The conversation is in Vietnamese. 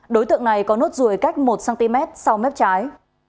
đối tượng này có nốt ruồi cách một cm sau mép trái